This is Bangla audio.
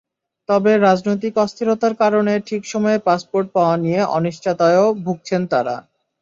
তবে রাজনৈতিক অস্থিরতার কারণে ঠিক সময়ে পাসপোর্ট পাওয়া নিয়ে অনিশ্চয়তায়ও ভুগছেন তাঁরা।